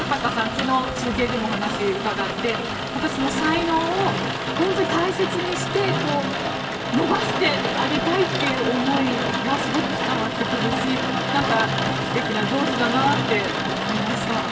昨日、中継でもお話を伺ってその才能を大切にして伸ばしてあげたいという思いがすごく伝わってくるし素敵な上司だなって思いました。